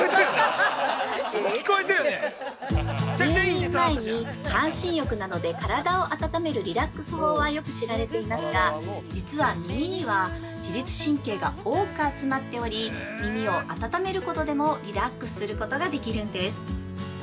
◆入眠前に半身浴などで体を温めるリラックス法はよく知られていますが、実は、耳には自律神経が多く集まっており耳を温めることでもリラックスすることができるんです。